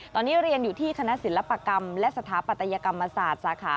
ตอนนี้เรียนอยู่ที่คณะศิลปกรรมและสถาปัตยกรรมศาสตร์สาขา